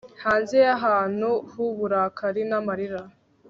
Hanze yahantu huburakari namarira